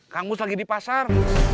kang mus lagi di pasar